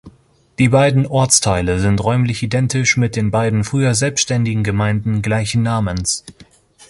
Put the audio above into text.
Die beiden Ortsteile sind räumlich identisch mit den beiden früher selbstständigen Gemeinden gleichen Namens.